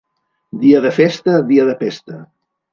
Dia de festa, dia de pesta.